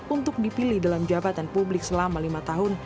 untuk dipilih dalam jabatan publik selama lima tahun